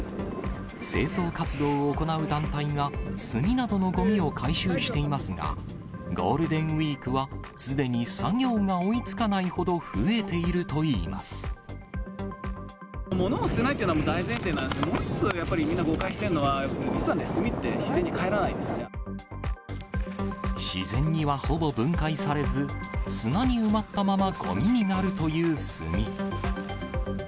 清掃活動を行う団体が炭などのごみを回収していますが、ゴールデンウィークは、すでに作業が追いつかないほど増えている物を捨てないっていうのは大前提なんですが、もう一つ、やっぱりみんな誤解してるのは、実は炭って自然にかえらないんで自然にはほぼ分解されず、砂に埋まったままごみになるという炭。